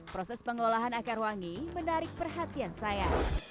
proses pengolahan akar wangi menarik perhatian saya